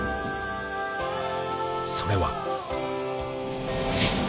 ［それは］